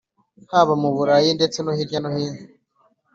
Haba mu burayi ndetse no hirya no hino